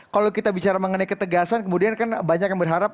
kalau kita bicara mengenai ketegasan kemudian kan banyak yang berharap